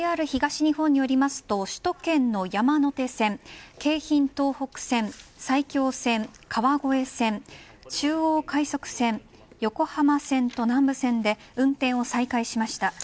ＪＲ東日本によると首都圏の山手線、京浜東北線埼京線、川越線中央快速線横浜線と南武線で運転を再開しました。